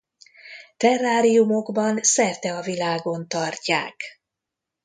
Terráriumokban szerte a világon tartják.